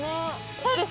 そうです